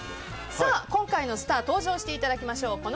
さあ今回のスター登場していただきましょう。